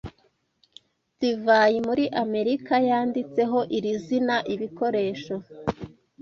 Divayi muri Amerika yanditseho iri zina "ibikoresho"